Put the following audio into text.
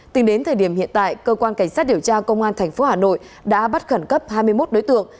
tính đến thời điểm hiện tại cơ quan cảnh sát điều tra công an tp hà nội đã bắt khẩn cấp hai mươi một đối tượng